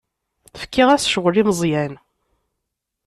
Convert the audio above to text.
Fkiɣ-as ccɣel i Meẓyan.